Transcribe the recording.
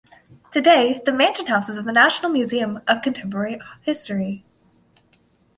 Today, the mansion houses the National Museum of Contemporary History.